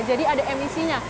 jadi ada emisinya